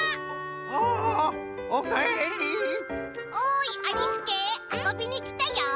「おいありすけあそびにきたよ」。